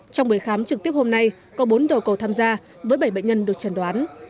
trong buổi khám trực tiếp hôm nay có bốn đầu cầu tham gia với bảy bệnh nhân được trần đoán